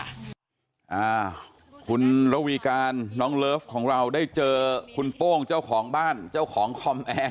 อ่าคุณระวีการน้องเลิฟของเราได้เจอคุณโป้งเจ้าของบ้านเจ้าของคอมแอร์